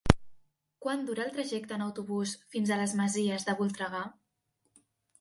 Quant dura el trajecte en autobús fins a les Masies de Voltregà?